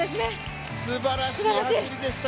すばらしい走りでした。